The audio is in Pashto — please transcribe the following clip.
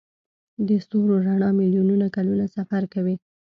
د ستورو رڼا میلیونونه کلونه سفر کوي.